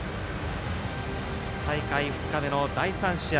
大会２日目の第３試合。